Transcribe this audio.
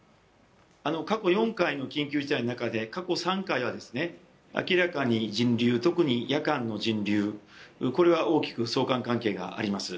過去４回の緊急事態の中で過去３回は明らかに人流、特に夜間の人流、これは大きく相関関係があります。